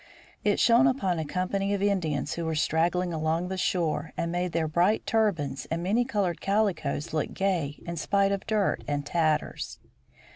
It shone upon a company of Indians who were straggling along the shore, and made their bright turbans and many colored calicoes look gay in spite of dirt and tatters.